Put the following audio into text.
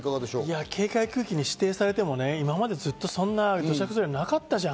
警戒区域に指定されても、今まで土砂崩れなかったじゃん。